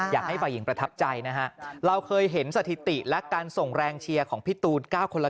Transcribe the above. อยากให้ฝ่ายหญิงประทับใจนะฮะเราเคยเห็นสถิติและการส่งแรงเชียร์ของพี่ตูน๙คนละ